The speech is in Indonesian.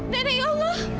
nenek ya allah